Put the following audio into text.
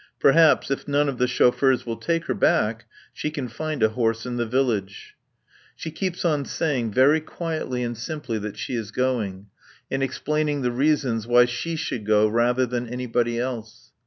Perhaps, if none of the chauffeurs will take her back, she can find a horse in the village. She keeps on saying very quietly and simply that she is going, and explaining the reasons why she should go rather than anybody else.